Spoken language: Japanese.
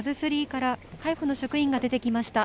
ＫＡＺＵ３から海保の職員が出てきました。